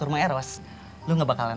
jadi masuk ny ecosystem